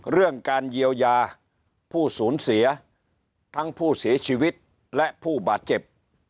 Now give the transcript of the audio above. เรื่องการเยียวยาผู้สูญเสียทั้งผู้เสียชีวิตและผู้บาดเจ็บ